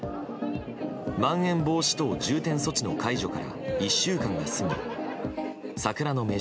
まん延防止等重点措置の解除から１週間が過ぎ桜の